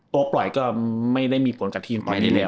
โปร่อยก็ไม่ได้มีผลกับทีมพอดีแล้ว